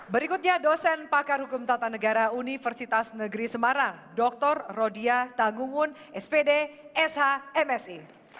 berikutnya dosen pakar hukum tata negara universitas negeri semarang dr rodia tangungun spd shmsi